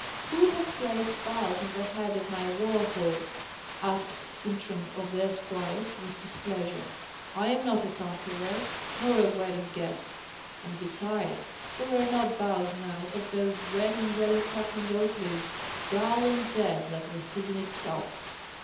"Who has placed boughs on the head of my war horse?" asked Sintram of the esquires, with displeasure. "I am not a conqueror, nor a wedding guest. And besides, there are no boughs now but those red and yellow crackling oak leaves, dull and dead like the season itself."